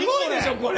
これ！